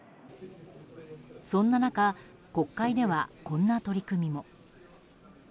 そんな中、国会ではこんな取り組みも。